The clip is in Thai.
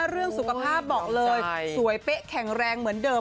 เรื่องสุขภาพบอกเลยสวยเป๊ะแข็งแรงเหมือนเดิม